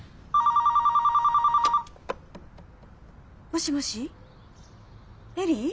☎もしもし恵里？